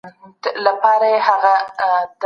ښه فکرونه مو د تصمیم نیولو وړتیا زیاتوي.